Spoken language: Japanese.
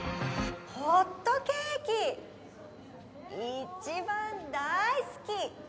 ホットケーキ一番大好き！